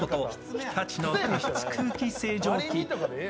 日立の加湿空気清浄機。